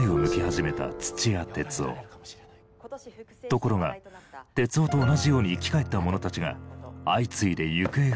ところが徹生と同じように生き返った者たちが相次いで行方不明に。